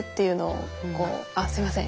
ああすいません。